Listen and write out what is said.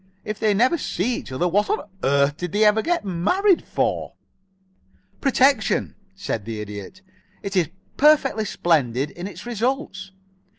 "If they never see each other, what on earth did they ever get married for?" "Protection," said the Idiot. "And it is perfectly splendid in its results. Mrs.